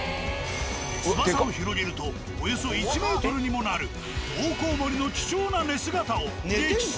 翼を広げるとおよそ１ｍにもなるオオコウモリの貴重な寝姿を激撮！